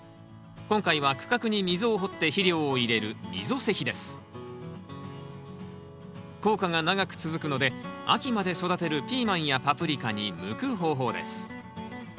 今回は区画に溝を掘って肥料を入れる効果が長く続くので秋まで育てるピーマンやパプリカに向く方法です。